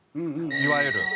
いわゆる。